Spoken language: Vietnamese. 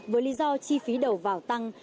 với lý do chi phí đầu vào tăng